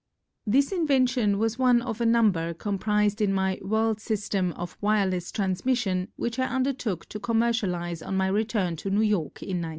This invention was one of a number com prised in my "World System" of wireless transmission which I undertook to commer cialize on my return to New York in 1900.